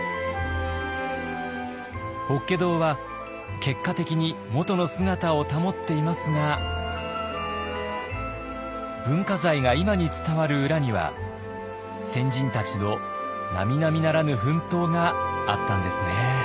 法華堂は結果的に元の姿を保っていますが文化財が今に伝わる裏には先人たちのなみなみならぬ奮闘があったんですね。